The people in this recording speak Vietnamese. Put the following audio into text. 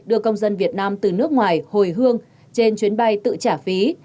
đưa công dân việt nam từ nước ngoài hồi hương trên chuyến bay tự trả phí